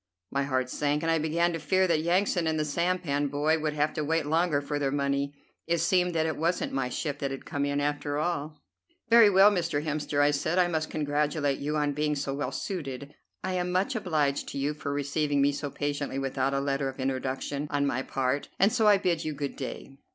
My heart sank, and I began to fear that Yansan and the sampan boy would have to wait longer for their money. It seemed that it wasn't my ship that had come in, after all. "Very well, Mr. Hemster," I said, "I must congratulate you on being so well suited. I am much obliged to you for receiving me so patiently without a letter of introduction on my part, and so I bid you good day."